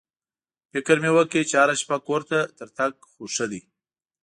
فکر مې وکړ چې هره شپه کور ته تر تګ خو ښه دی.